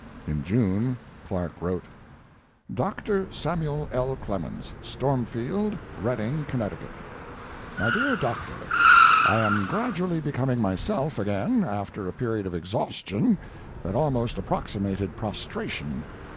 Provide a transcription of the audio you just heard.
In June Clark wrote: DR. SAMUEL L. CLEMENS, Stormfield, Redding, Conn. MY DEAR DOCTOR, I am gradually becoming myself again, after a period of exhaustion that almost approximated prostration.